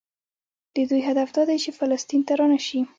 د دوی هدف دا دی چې فلسطین ته رانشي.